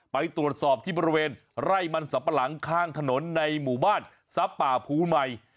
ไปตรวจสอบที่บริเวณไร่มันสับปะหลังข้างถนนในหมู่บ้านทรัพย์ป่าภูใหม่